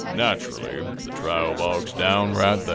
Nacherally the trial bogs down right thar."